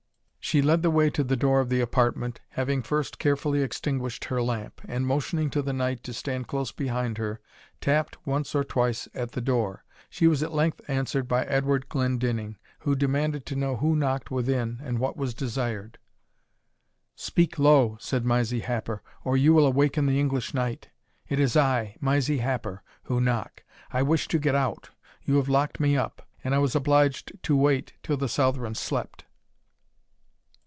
She led the way to the door of the apartment, having first carefully extinguished her lamp, and motioning to the knight to stand close behind her, tapped once or twice at the door. She was at length answered by Edward Glendinning, who demanded to know who knocked within, and what was desired. "Speak low," said Mysie Happer, "or you will awaken the English knight. It is I, Mysie Happer, who knock I wish to get out you have locked me up and I was obliged to wait till the Southron slept."